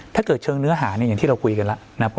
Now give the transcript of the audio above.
ถ้าเกิดเชิงเนื้อหาอย่างที่เราคุยกันแล้ว